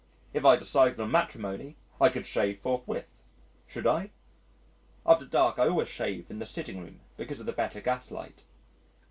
If I decided on matrimony I could shave forthwith. Should I? (After dark I always shave in the sitting room because of the better gaslight.)